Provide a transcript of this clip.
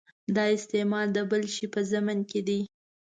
دا استعمال د بل شي په ضمن کې دی.